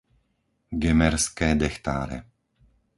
Gemerské Dechtáre